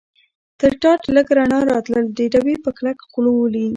تر ټاټ لږ رڼا راتلل، د ډبې په کلک غولي.